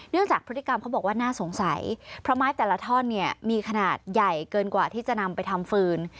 จากพฤติกรรมเขาบอกว่าน่าสงสัยเพราะไม้แต่ละท่อนเนี่ยมีขนาดใหญ่เกินกว่าที่จะนำไปทำฟืน